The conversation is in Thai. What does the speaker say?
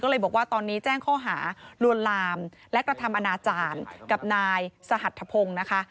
ก็เลยบอกว่าตอนนี้แจ้งข้อหาลวนลามและกระทำอนาจารย์กับนายสหัทธพงศ์นะคะ